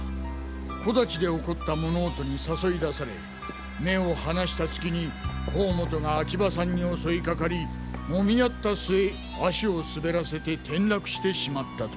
木立で起こった物音に誘い出され目を離したスキに甲本が秋葉さんに襲いかかりもみ合った末足を滑らせて転落してしまったと。